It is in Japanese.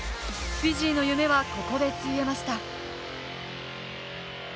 フィジーの夢はここでついえました。